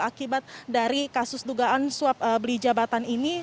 akibat dari kasus dugaan suap beli jabatan ini